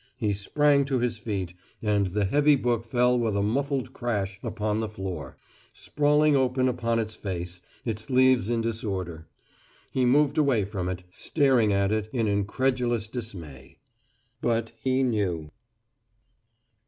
He sprang to his feet, and the heavy book fell with a muffled crash upon the floor, sprawling open upon its face, its leaves in disorder. He moved away from it, staring at it in incredulous dismay. But he knew.